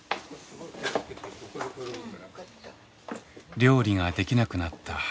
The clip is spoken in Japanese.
料理ができなくなった母。